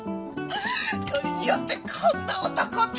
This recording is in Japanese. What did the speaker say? よりによってこんな男と！